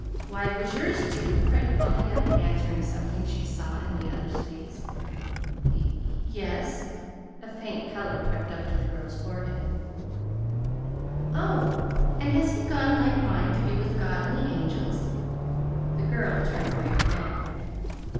Why, was yours, too?" cried Pollyanna, answering something she saw in the other's face. "Y yes." A faint color crept up to the girl's forehead. "Oh, and has he gone like mine to be with God and the angels?" The girl turned away her head.